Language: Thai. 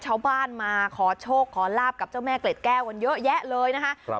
ชาวบ้านมาขอโชคขอลาบกับเจ้าแม่เกล็ดแก้วกันเยอะแยะเลยนะคะ